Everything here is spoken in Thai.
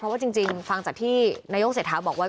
เพราะว่าจริงฟังจากที่นายกเศรษฐาบอกว่า